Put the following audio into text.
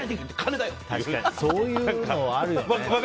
そういうのあるよね。